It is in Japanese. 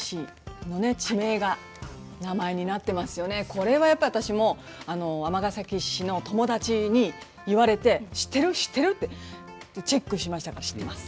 これはやっぱり私も尼崎市の友達に言われて「知ってる？知ってる？」って。チェックしましたから知ってます。